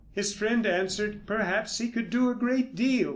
His friend answered, perhaps he could do a great deal.